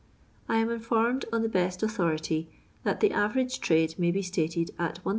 I am informed on the best authority, that the average trade may be stated at 1500